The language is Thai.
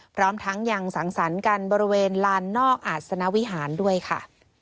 พร้อมทั้งยังสังสรรค์กันบริเวณลานนอกอาศนวิหารด้วยค่ะ